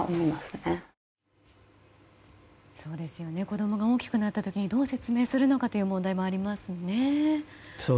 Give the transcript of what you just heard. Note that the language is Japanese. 子供が大きくなった時にどう説明するのかという問題もありますよね。